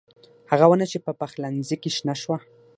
هغه ونه چې په پخلنخي کې شنه شوه